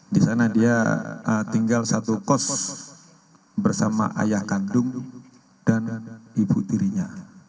di sana dia tinggal satu kos bersama ayah kandung dan ibu tirinya